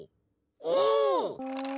お！